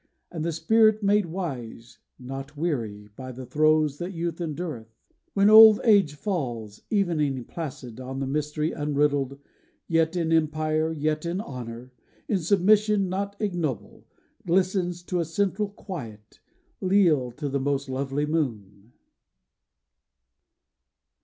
And the spirit made wise, not weary By the throes that youth endureth, When old age falls, evening placid, On the mystery unriddled, Yet in empire, yet in honor, In submission not ignoble, Glistens to a central quiet, Leal to the most lovely moon.